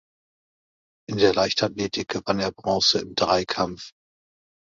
In der Leichtathletik gewann er Bronze im Dreikampf.